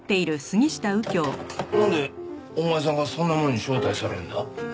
なんでお前さんがそんなものに招待されるんだ？